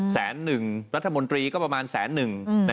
๑แสนรัฐมนตรีก็ประมาณ๑แสนนะครับ